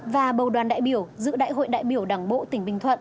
và bầu đoàn đại biểu giữ đại hội đại biểu đảng bộ tỉnh bình thuận lần thứ một mươi bốn